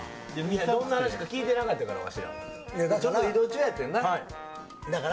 どんな話か聞いてなかったかだから。